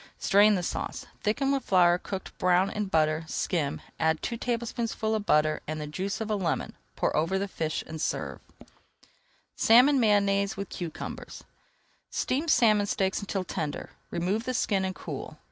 Strain the sauce, thicken with flour cooked brown in butter, skim, add two tablespoonfuls of butter and the juice of a lemon; pour over the fish and serve. [Page 286] SALMON MAYONNAISE WITH CUCUMBERS Steam salmon steaks until tender, remove the skin, and cool.